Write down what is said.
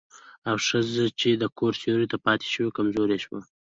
او ښځه چې د کور سيوري ته پاتې شوه، کمزورې شوه.